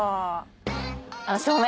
照明？